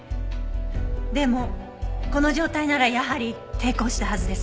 でもこの状態ならやはり抵抗したはずです。